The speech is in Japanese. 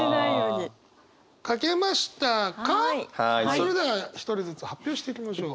それでは一人ずつ発表していきましょう。